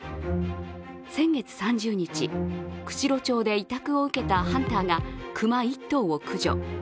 先月３０日、釧路町で委託を受けたハンターがクマ１頭を駆除。